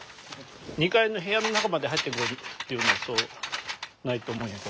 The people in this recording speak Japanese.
２階の部屋の中まで入ってくるっていうのはそうないと思うんやけど。